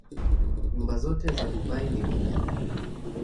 Nyumba zote za Dubai ni mpya.